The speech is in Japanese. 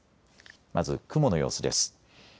まず雲の様子です。